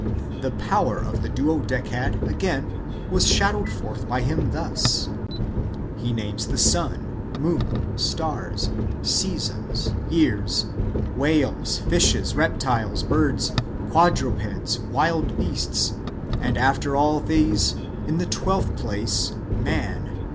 The power of the Duodecad, again, was shadowed forth by him thus :— He names the sun, moon, stars, seasons, years, whales, fishes, reptiles, birds, quadrupeds, wild beasts, and after all these, in the twelfth place, man.